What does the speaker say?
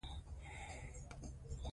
پکتیا د افغان ځوانانو لپاره دلچسپي لري.